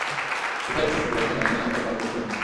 এছাড়া স্বপ্নের ব্যাখ্যা দানে আমরা পারদর্শীও নই।